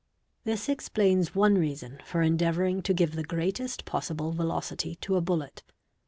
ON Ee This explains one reason for endeavouring to give the greatest possible velocity to a bullet.